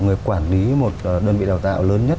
người quản lý một đơn vị đào tạo lớn nhất